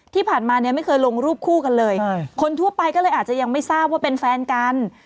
ที่ผ่านมาเนี่ยไม่เคยลงรูปคู่กันเลยคนทั่วไปก็เลยอาจจะยังไม่ทราบว่าเป็นแฟนกัน